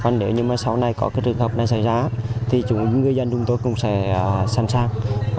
nếu sau này có trường hợp này xảy ra thì người dân chúng tôi cũng sẽ sẵn sàng